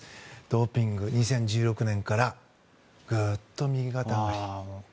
ドーピング、２０１６年からグッと右肩上がり。